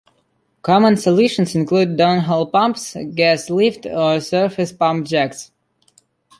Common solutions include downhole pumps, gas lift, or surface pump jacks.